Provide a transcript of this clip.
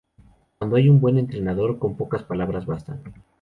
Cuando hay buen entendedor con pocas palabras bastan